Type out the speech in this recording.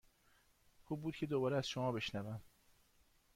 خوب بود که دوباره از شما بشنوم.